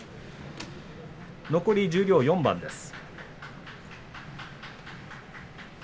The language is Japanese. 残り十両４番です。